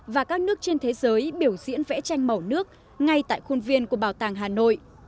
và các nước trên thế giới biểu diễn vẽ tranh màu nước ngay tại khuôn viên của bảo tàng hà nội